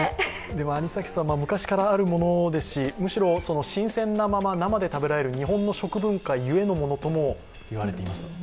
でも、アニサキスは昔からあるものですしむしろ新鮮なまま、生で食べられる日本の食文化ゆえのものともいわれています。